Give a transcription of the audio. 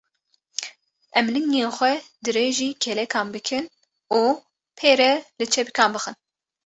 Em lingên xwe dirêjî kêlekan bikin û pê re li çepikan bixin.